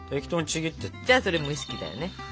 じゃあそれ蒸し器だよね。